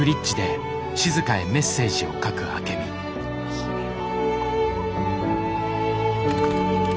君は。